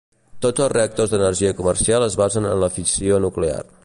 Tots els reactors d'energia comercial es basen en la fissió nuclear.